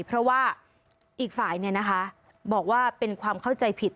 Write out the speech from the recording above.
เพราะว่าอีกฝ่ายบอกว่าเป็นความเข้าใจผิด